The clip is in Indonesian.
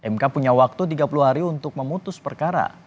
mk punya waktu tiga puluh hari untuk memutus perkara